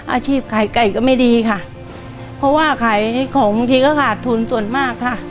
อาชีพขายไก่ก็ไม่ดีค่ะเพราะว่าขายของบางทีก็ขาดทุนส่วนมากค่ะ